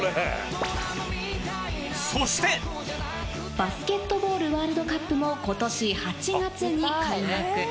そしてバスケットボールワールドカップも今年８月に開幕。